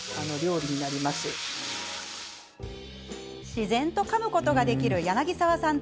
自然とかむことができる柳澤さん